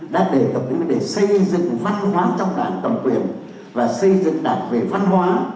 đã đề cập đến vấn đề xây dựng văn hóa trong đảng cầm quyền và xây dựng đảng về văn hóa